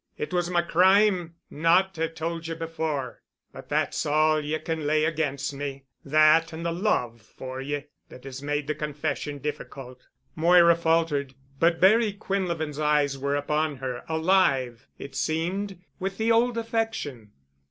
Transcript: It was my crime not to have told ye before—but that's all ye can lay against me—that and the love for ye that has made the confession difficult." Moira faltered. But Barry Quinlevin's eyes were upon her, alive, it seemed, with the old affection.